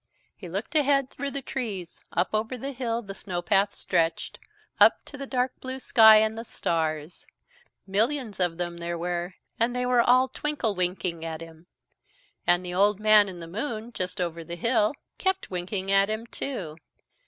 He looked ahead through the trees Up over the hill the snow path stretched up to the dark blue sky and the stars. Millions of them there were and they were all twinkle winking at him. And the Old Man in the Moon, just over the hill, kept winking at him too.